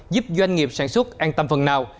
giúp doanh nghiệp sản xuất an tâm phần nào